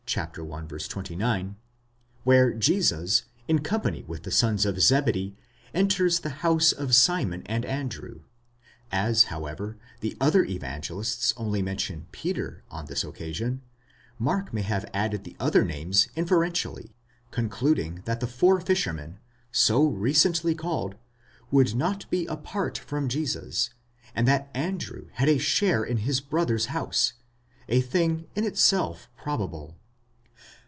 29), where Jesus, in company with the sons of Zebedee, enters the house of Simon and Andrew: as, however, the other Evangelists only mention Peter on this occasion, Mark may have added the other names inferentially, concluding that the four fishermen, so recently called, would not be apart from Jesus, and that Andrew had a share in his brother's house, a thing in itself probable.